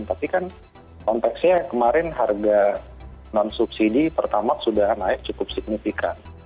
tapi kan konteksnya kemarin harga non subsidi pertama sudah naik cukup signifikan